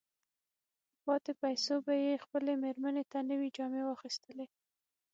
په پاتې پيسو به يې خپلې مېرمې ته نوې جامې واخلي.